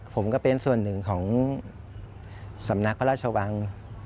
ผมก็เป็นส่วนหนึ่งของสำนักพระราชวัง